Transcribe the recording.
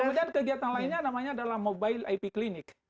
kemudian kegiatan lainnya namanya adalah mobile ip clinic